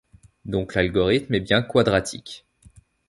Donc l'algorithme est bien quadratique.